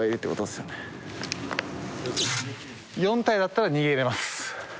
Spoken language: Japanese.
４体だったら逃げられます。